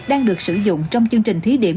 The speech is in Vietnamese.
đang được sử dụng trong chương trình thí điểm